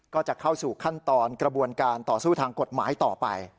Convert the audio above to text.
ก็จะเข้าสู่ขั้นตอนกระบวนการต่อสู้ทางกฎหมายต่อไป